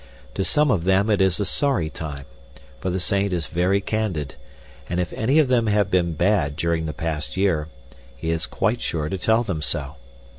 To some of them it is a sorry time, for the saint is very candid, and if any of them have been bad during the past year, he is quite sure to tell them so.